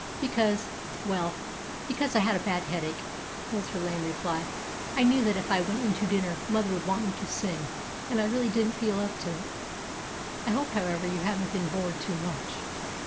"Because well, because I had a bad headache," was her lame reply. "I knew that if I went in to dinner mother would want me to sing, and I really didn't feel up to it. I hope, however, you haven't been bored too much."